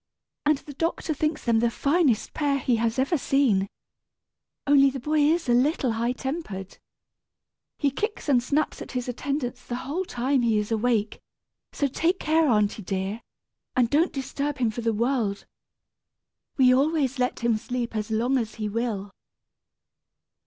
"And the doctor thinks them the finest pair he has ever seen. Only the boy is a little high tempered. He kicks and snaps at his attendants the whole time he is awake; so take care, aunty dear, and don't disturb him for the world. We always let him sleep as long as he will."